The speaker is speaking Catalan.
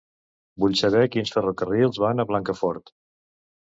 Vull saber quins ferrocarrils van a Blancafort.